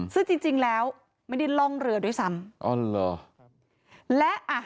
ซึ่งจริงจริงแล้วไม่ได้ล่องเรือด้วยซ้ำอ๋อเหรอ